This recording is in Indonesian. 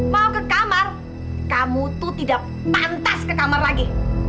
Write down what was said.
mau ke kamar kamu tuh tidak pantas ke kamar lagi